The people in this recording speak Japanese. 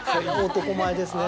男前ですね